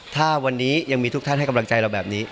ถ้าวันนี้ยังมีทุกท่านให้กำลังใจเราแบบนี้